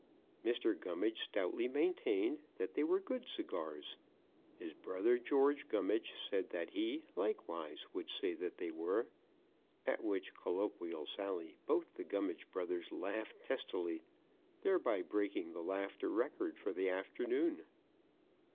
Mr. Gummidge stoutly maintained that they were good cigars. His brother, George Gummidge, said that he, likewise, would say that they were. At which colloquial sally both the Gummidge brothers laughed testily, thereby breaking the laughter record for the afternoon.